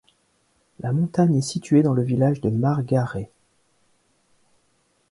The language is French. La montagne est située dans le village de Margaree.